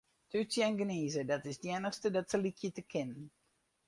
Tútsje en gnize, dat is it iennichste dat se lykje te kinnen.